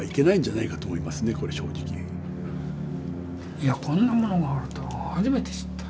いやこんなものがあるとは初めて知った。